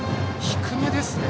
低めですね。